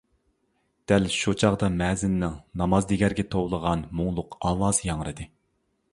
دەل شۇ چاغدا مەزىننىڭ نامازدىگەرگە توۋلىغان مۇڭلۇق ئاۋازى ياڭرىدى.